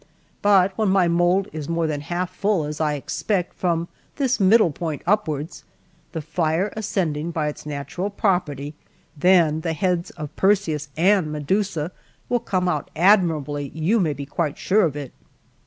But when my mould is more than half full, as I expect, from this middle point upwards, the fire ascending by its natural property, then the heads of Perseus and Medusa will come out admirably; you may be quite sure of it."